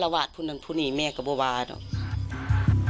กับผมผมขออนุญาตไม่นะ